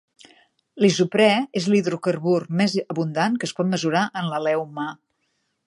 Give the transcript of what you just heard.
L'isoprè és l'hidrocarbur més abundant que es pot mesurar en l'alè humà.